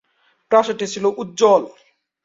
প্রাসাদটি ছিল উজ্জ্বল।